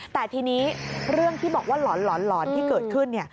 แต่ทีนี้เรื่องที่บอกว่าหลอนที่เกิดขึ้น